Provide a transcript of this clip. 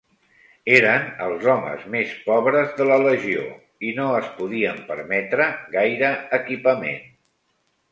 Eren els homes més pobres de la legió i no es podien permetre gaire equipament.